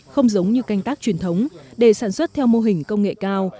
không giống như canh tác truyền thống để sản xuất theo mô hình công nghệ cao